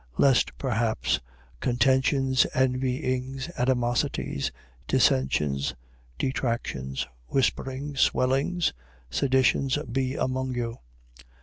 Lest perhaps contentions, envyings, animosities, dissensions, detractions, whisperings, swellings, seditions, be among you.